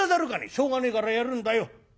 「しょうがねえからやるんだよ」。